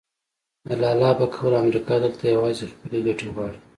د لالا په قول امریکا دلته یوازې خپلې ګټې غواړي.